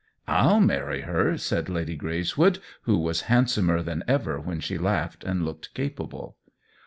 "/'ll marry her," said Lady Greyswood, who was handsomer than ever when she laughed and looked capable.